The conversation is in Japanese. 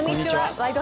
「ワイド！